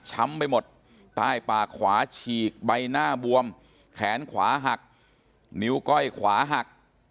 ไปหมดใต้ปากขวาฉีกใบหน้าบวมแขนขวาหักนิ้วก้อยขวาหัก